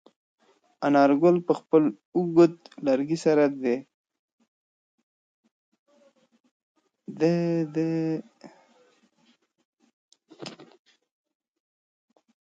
انارګل په خپل اوږد لرګي سره د رېړې مخه ونیوله.